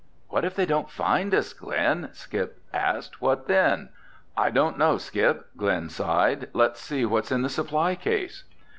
"What if they don't find us, Glen?" Skip asked. "What then?" "I don't know, Skip," Glen sighed. "Let's see what's in the supply case."